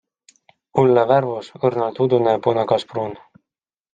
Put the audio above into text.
Õlle värvus - õrnalt udune punakaspruun.